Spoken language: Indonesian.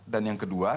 dan yang kedua